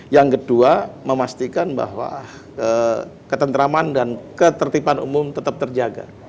yang kedua memastikan bahwa ketentraman dan ketertiban umum tetap terjaga